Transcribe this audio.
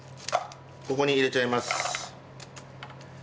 ここに入れちゃいます。